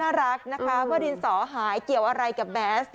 น่ารักนะคะเมื่อดินสอหายเกี่ยวอะไรกับแบส